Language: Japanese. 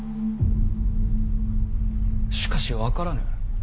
しかし分からぬ。